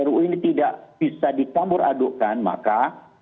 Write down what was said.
kalau ru ini tidak bisa ditambur adukkan maka